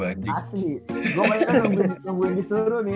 asli gue kayaknya nungguin disuruh nih